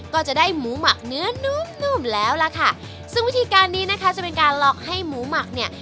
ก็จะได้หมูหมักเนื้อนุ่มนุ่มแล้วล่ะค่ะซึ่งวิธีการนี้นะคะจะเป็นการหลอกให้หมูหมักเนี่ย